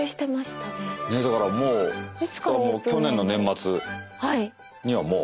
だからもう去年の年末にはもう。